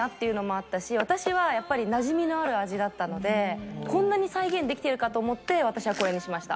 私はやっぱりなじみのある味だったのでこんなに再現できてるかと思って私はこれにしました。